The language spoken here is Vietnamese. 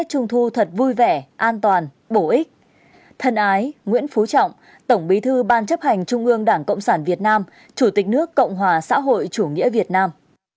thân ái nguyễn phú trọng tổng bí thư ban chấp hành trung ương đảng cộng sản việt nam chủ tịch nước cộng hòa xã hội chủ nghĩa việt nam